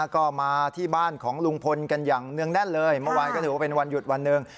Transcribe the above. ก็มาที่บ้านของลุงพลกันอย่างเนื่องแน่นเลยเมื่อวานก็ถือว่าเป็นวันหยุดวันหนึ่ง